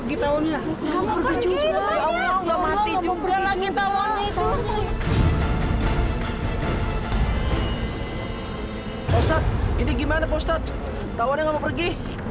ini gimana postat tawannya mau pergi